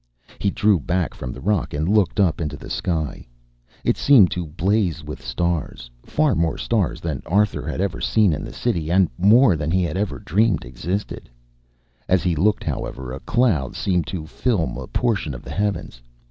He drew back from the rock and looked up into the sky. It seemed to blaze with stars, far more stars than Arthur had ever seen in the city, and more than he had dreamed existed. As he looked, however, a cloud seemed to film a portion of the heavens.